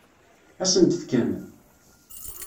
Ad sen-t-fken?